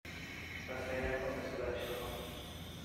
پس سعی نکن مث بچه ها